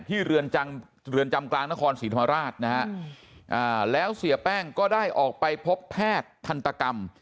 เรือนจำกลางนครศรีธรรมราชนะฮะแล้วเสียแป้งก็ได้ออกไปพบแพทย์ทันตกรรม